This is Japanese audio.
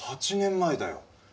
８年前だよ。